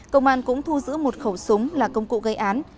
công an cũng thu giữ một khẩu súng là công cụ gây án